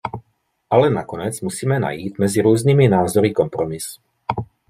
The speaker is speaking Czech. Ale nakonec musíme najít mezi různými názory kompromis.